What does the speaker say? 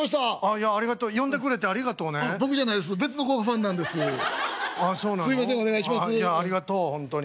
「いやありがとう本当に」。